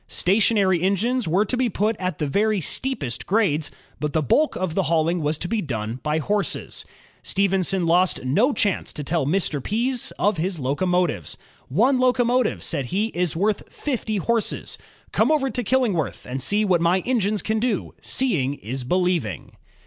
Station ary engines were to be put at the very steepest grades, but the bulk of the hauling was to be done by horses. Stephenson lost no chance to tell Mr. Pease of his loco motives. "One locomotive," said he, "is worth fifty horses. Come over to Killingworth and see what my engines can do; seeing is believing."